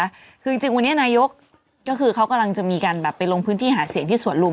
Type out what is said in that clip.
คือจริงวันนี้นายกก็คือเขากำลังจะมีการแบบไปลงพื้นที่หาเสียงที่สวนลุม